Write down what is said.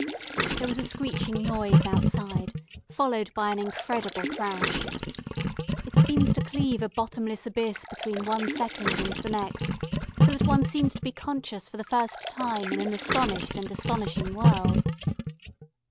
There was a screeching noise outside, followed by an incredible crash. It seemed to cleave a bottomless abyss between one second and the next, so that one seemed to be conscious for the first time in an astonished and astonishing world.